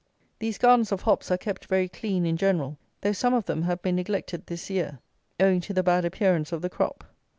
These gardens of hops are kept very clean, in general, though some of them have been neglected this year owing to the bad appearance of the crop.